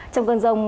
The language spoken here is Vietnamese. trong cơn rông